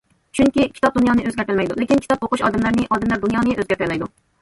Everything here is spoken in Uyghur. چۈنكى، كىتاب دۇنيانى ئۆزگەرتەلمەيدۇ، لېكىن كىتاب ئوقۇش ئادەملەرنى، ئادەملەر دۇنيانى ئۆزگەرتەلەيدۇ.